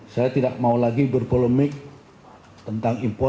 saya tidak mau lagi berpolemik tentang impor